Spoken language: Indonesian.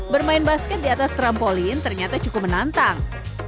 bermain basket di atas trampolin ternyata cukup menantang